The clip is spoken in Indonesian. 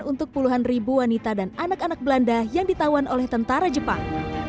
untuk puluhan ribu wanita dan anak anak belanda yang ditawan oleh tentara jepang